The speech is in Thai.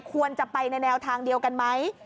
ควรจะไปในแนวทางเดียวกันไหม